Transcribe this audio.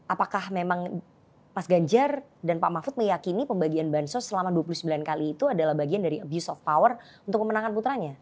apakah memang mas ganjar dan pak mahfud meyakini pembagian bansos selama dua puluh sembilan kali itu adalah bagian dari abuse of power untuk memenangkan putranya